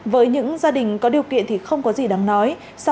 với những gia đình có điều kiện thì không có gì để tăng giá sách giáo khoa